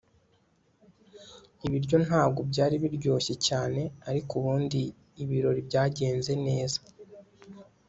Ibiryo ntabwo byari biryoshye cyane ariko ubundi ibirori byagenze neza